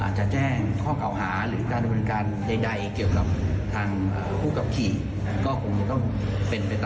อ่าจะแจ้งข้อเก่าหาหรือการบริเวณการใดเกี่ยวจ่อมทางท่องกรุ่นเฉียบก็คงเป็นใน